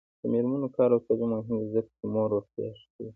د میرمنو کار او تعلیم مهم دی ځکه چې مور روغتیا ښه کوي.